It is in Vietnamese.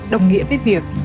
đồng nghĩa với việc